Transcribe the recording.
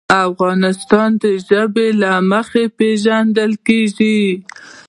افغانستان د ژبې له مخې پېژندل کېږي.